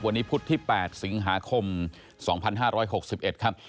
วันนี้พุธที่๘สิงหาคม๒๕๖๑ครับ